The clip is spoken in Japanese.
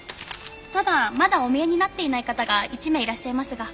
ただまだお見えになっていない方が１名いらっしゃいますが。